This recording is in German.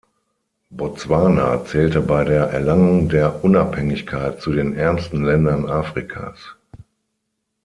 Botswana zählte bei der Erlangung der Unabhängigkeit zu den ärmsten Ländern Afrikas.